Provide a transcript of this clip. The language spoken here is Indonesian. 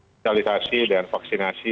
fasilitasi dan vaksinasi